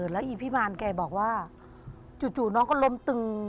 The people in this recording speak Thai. แล้วพี่บ่อนแกบอกว่าจู๊กน้องก็ล้มตึง